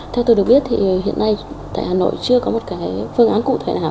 theo tôi được biết thì hiện nay tại hà nội chưa có một phương án cụ thể nào